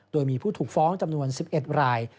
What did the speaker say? โดยมีผู้ถูกฟ้องจำนวน๑๑ราย